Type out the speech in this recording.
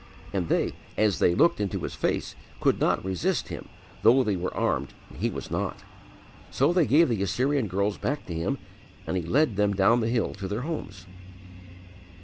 And they, as they looked into his face, could not resist him though they were armed and he was not. So they gave the Assyrian girls back to him and he led them down the hill to their homes."